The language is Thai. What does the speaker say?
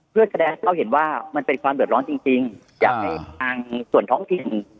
เพื่อแสดงเราเห็นว่ามันเป็นความเหลือร้อนจริงจริงอ่าอยากให้ส่วนท้องทิศ